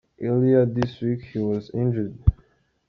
Earlier this week he was injured.